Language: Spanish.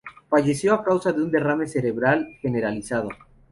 Falleció a causa de un derrame cerebral generalizado.